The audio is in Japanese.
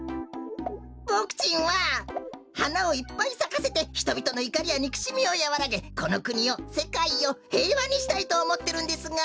ボクちんははなをいっぱいさかせてひとびとのいかりやにくしみをやわらげこのくにをせかいをへいわにしたいとおもってるんですが。